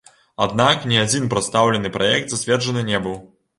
Аднак, ні адзін прадстаўлены праект зацверджаны не быў.